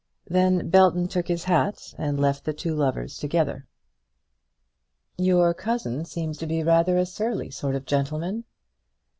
Then Belton took his hat and left the two lovers together. "Your cousin seems to be a rather surly sort of gentleman."